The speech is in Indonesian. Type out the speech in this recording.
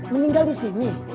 meninggal di sini